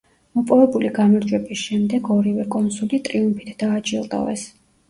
მოპოვებული გამარჯვების შემდეგ ორივე კონსული ტრიუმფით დააჯილდოვეს.